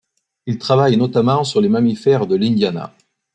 Il travaille notamment sur les mammifères de l'Indiana.